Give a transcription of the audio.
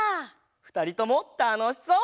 ふたりともたのしそう！